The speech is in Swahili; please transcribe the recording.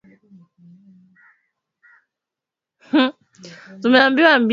ally salum hapi alikuwa akisoma sheria